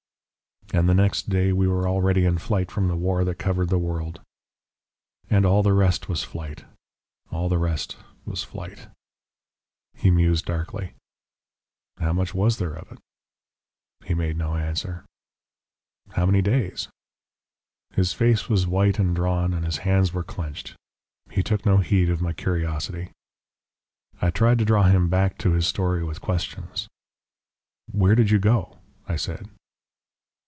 "And the next day we were already in flight from the war that covered the world. "And all the rest was Flight all the rest was Flight." He mused darkly. "How much was there of it?" He made no answer. "How many days?" His face was white and drawn and his hands were clenched. He took no heed of my curiosity. I tried to draw him back to his story with questions. "Where did you go?" I said.